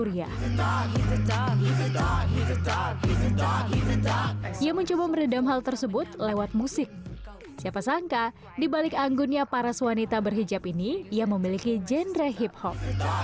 yang buat musik siapa sangka dibalik anggunnya para suanita berhijab ini ia memiliki genre hip hop